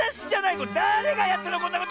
これだれがやったのこんなこと！